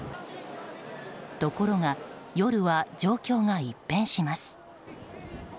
ところが、夜は状況が一変します。